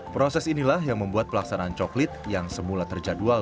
proses inilah yang membuat pelaksanaan coklit yang semula terjadwal